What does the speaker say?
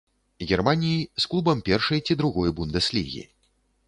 Германіі з клубам першай ці другой бундэслігі.